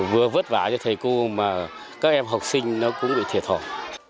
vừa vất vả cho thầy cô mà các em học sinh nó cũng bị thiệt thòi